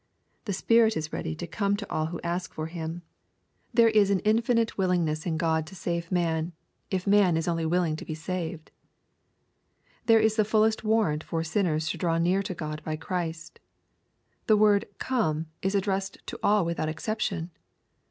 The Spirit is ready to come to all who ask for Him. There is an in LUKE, CHAP. XIV. 161 finite willingness in God to save man, if man is only willing to be saved. There is the fullest warrant for sinners to draw neai to God by Christ, The word " Come,^' is addressed to all without exception.